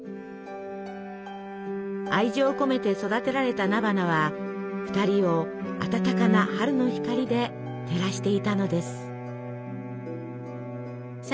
愛情込めて育てられた菜花は２人を暖かな春の光で照らしていたのです。